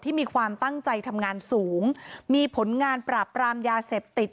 มีความตั้งใจทำงานสูงมีผลงานปราบปรามยาเสพติด